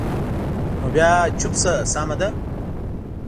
نو بیا چوپ شه، سمه ده.